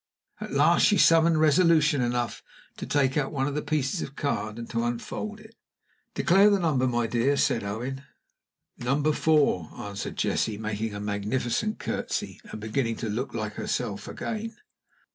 At last she summoned resolution enough to take out one of the pieces of card and to unfold it. "Declare the number, my dear," said Owen. "Number Four," answered Jessie, making a magnificent courtesy, and beginning to look like herself again.